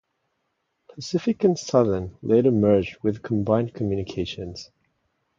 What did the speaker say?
Pacific and Southern later merged with Combined Communications.